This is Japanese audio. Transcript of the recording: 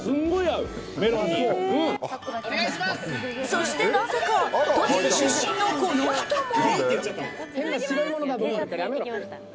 そしてなぜか栃木出身のこの人も。